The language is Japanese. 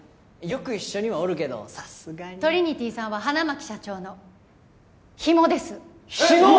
よく一緒にはおるけどさすがにトリニティさんは花巻社長のヒモですヒモ！？